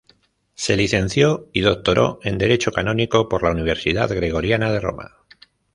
Se licenció y doctoró en Derecho Canónico por la Universidad Gregoriana de Roma.